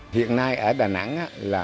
hiện nay ở đà nẵng